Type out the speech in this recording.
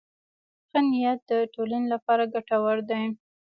ښه نیت د ټولنې لپاره ګټور دی.